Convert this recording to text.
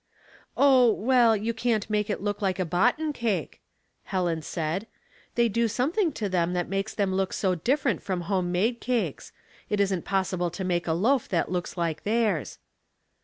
*' Oh, well, you can't make it look like a boughten cake," Helen said. " They do some thincT to them that makes them look so different from home made cakes. It isn't possible to make a loaf that looks like theirs."